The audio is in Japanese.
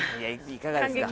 いかがですか？